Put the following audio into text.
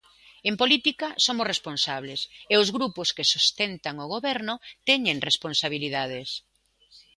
En política somos responsables, e os grupos que sustentan o Goberno teñen responsabilidades.